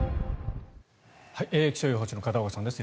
気象予報士の片岡さんです。